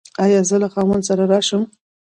ایا زه له خاوند سره راشم؟